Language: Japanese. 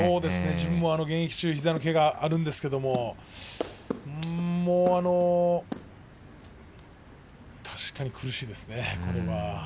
自分も現役中膝のけがあるんですけど確かに苦しいですね、これは。